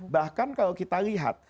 bahkan kalau kita lihat